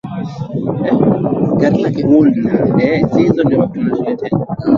woolner alikuwa akininginia juu ya bahari